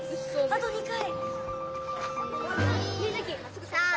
あと２回！